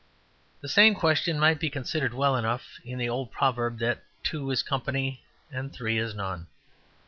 The same question might be considered well enough in the old proverb that two is company and three is none.